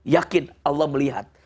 yakin allah melihat